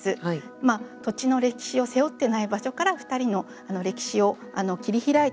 土地の歴史を背負ってない場所から２人の歴史を切り開いていく。